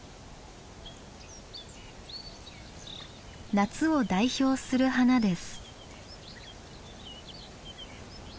夏を代表する花です。